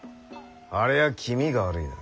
あれは気味が悪いな。